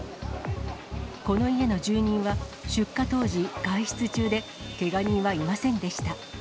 この家の住人は出火当時外出中で、けが人はいませんでした。